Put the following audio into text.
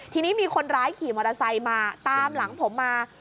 ทีนี้มีคนร้ายขี่มอเตอร์ไซค์มาตามหลังผมมา